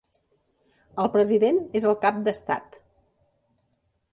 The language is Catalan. El president és el cap d'estat.